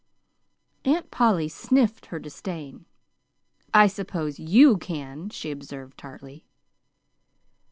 Aunt Polly sniffed her disdain. "I suppose YOU can," she observed tartly.